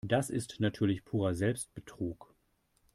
Das ist natürlich purer Selbstbetrug.